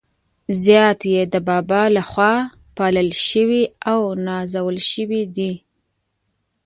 زیات يې د بابا له خوا پالل شوي او نازول شوي دي.